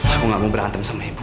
aku gak mau berantem sama ibu